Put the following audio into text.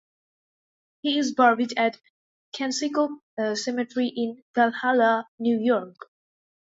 He is buried at Kensico Cemetery in Valhalla, New York.